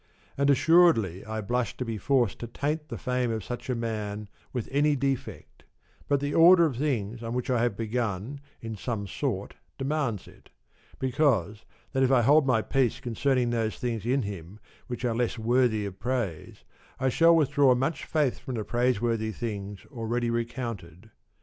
And assuredly I blush to be forced to taint the fame of such a man with any defect ; but the order of things on which I have begun in some sort demands it ; because that if I hold my peace concerning those things in him which are less worthy of praise, I shall withdraw much faith from the praiseworthy things already recounted.